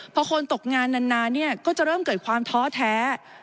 พอคนตกงานนานเนี่ยก็จะเริ่มเกิดความท้อแท้